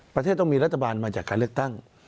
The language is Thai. ประเทศต้องมีรัฐบาลมาจากการเลือกตั้ง